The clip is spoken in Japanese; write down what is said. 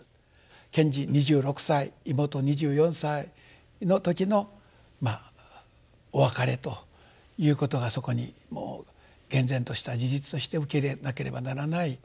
賢治２６歳妹２４歳の時のお別れということがそこにもう厳然とした事実として受け入れなければならない。